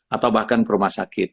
atau bahkan ke rumah sakit